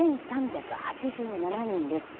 ２万２３８７人です。